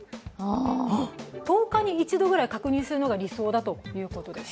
１０日に一度ぐらい確認するのが理想だということです。